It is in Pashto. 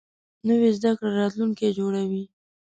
نوې زده کړه راتلونکی جوړوي